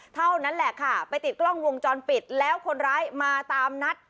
เท่านั้นแหละค่ะไปติดกล้องวงจรปิดแล้วคนร้ายมาตามนัด